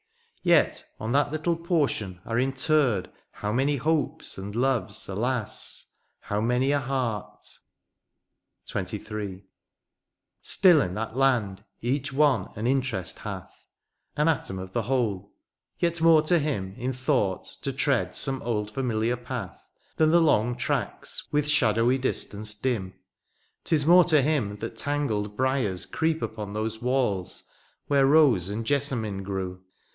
Yet on that little portion are interred How many hopes and loves, alas ! how many a heart. XXIII. Still in that land each one an interest hath. An atom of the whole — ^yet more to him. In thought to tread some old familiar path. Than the long tracts with shadowy distance dim : ^Tis more to him, that tangled briers creep Upon those walls where rose and jessamine grew.